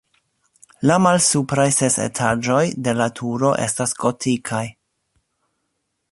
La malsupraj ses etaĝoj de la turo estas gotikaj.